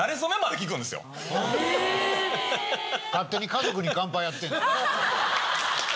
勝手に『家族に乾杯』やってる。